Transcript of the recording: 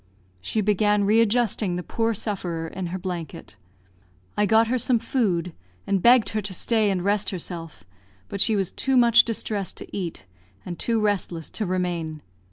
She began re adjusting the poor sufferer in her blanket. I got her some food, and begged her to stay and rest herself; but she was too much distressed to eat, and too restless to remain.